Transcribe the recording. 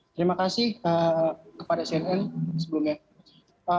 terima kasih kepada cnn sebelumnya